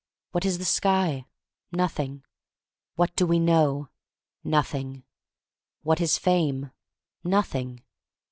What is the sky? Nothing. What do we know? Nothing. What is fame? Nothing.